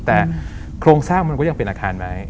แต่โครงสร้างมันก็ยังเป็นอาคารไว้